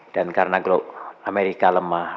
dan karena amerika lemah